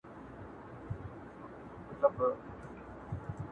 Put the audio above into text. د ماشوم په سرکې پرته